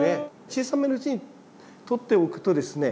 小さめのうちにとっておくとですね